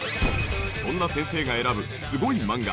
そんな先生が選ぶすごい漫画。